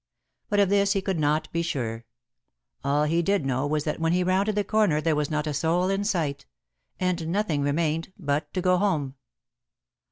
But of this he could not be sure. All he did know was that when he rounded the corner there was not a soul in sight. And nothing remained but to go home.